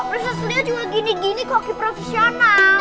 pemirsa sendiri juga gini gini kok profesional